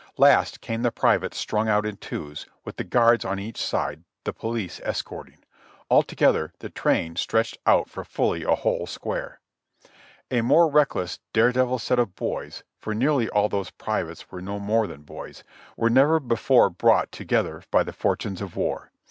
Last came the privates strung out in twos, with the guards on each side, the police escorting. Altogether the train stretched out for fully a whole square. A more reckless, dare devil set of boys, for nearly all those privates were no more than boys, were never before brought to gether by the fortunes of war.